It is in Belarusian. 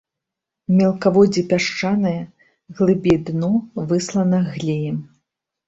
Мелкаводдзе пясчанае, глыбей дно выслана глеем.